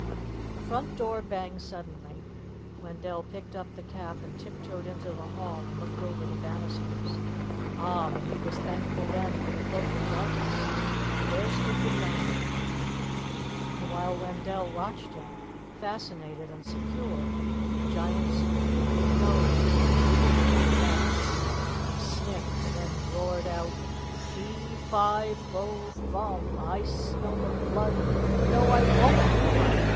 The front door banged suddenly. Wendell picked up the cap and tiptoed into the hall and looked over the banisters. Ah! but he was thankful then for the Cloak of Darkness. For there stood the Giant. And while Wendell watched him, fascinated and secure, the Giant's huge nose began to twitch like a rabbit's, he sniffed, and then roared out, "Fee, fi, fo, fum! I smell the blood no, I won't be quiet!